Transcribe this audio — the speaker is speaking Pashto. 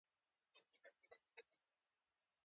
د واورینو غرو له پاسه اصلي سپوږمۍ زموږ لیدنه کوله.